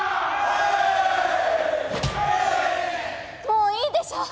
もういいでしょ！